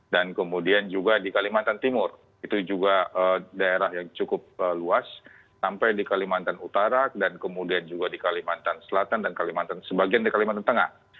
dan kemudian juga di kalimantan timur itu juga daerah yang cukup luas sampai di kalimantan utara dan kemudian juga di kalimantan selatan dan kalimantan sebagian di kalimantan tengah